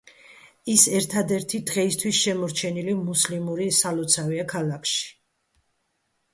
ის ერთადერთი დღეისთვის შემორჩენილი მუსლიმური სალოცავია ქალაქში.